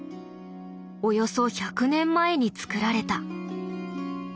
およそ１００年前に作られた。